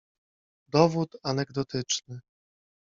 Dowód anegdotyczny